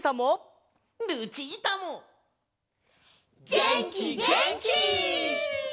げんきげんき！